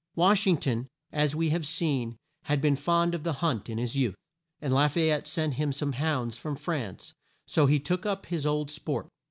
Wash ing ton, as we have seen, had been fond of the hunt in his youth, and La fay ette sent him some hounds from France, so he took up his old sport.